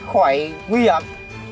khỏi nguy hiểm